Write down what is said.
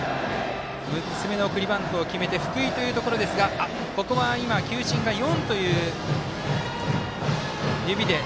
６つ目の送りバントを決めて福井というところですがここは球審が４という指で。